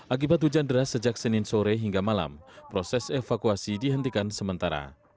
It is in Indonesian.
akibat hujan deras sejak senin sore hingga malam proses evakuasi dihentikan sementara